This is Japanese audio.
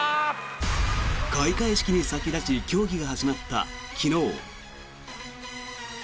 開会式に先立ち競技が始まった昨日。